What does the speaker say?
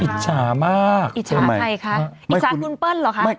อิจฉาใครคะอิจฉาคุณเปิ้ลเหรอคะ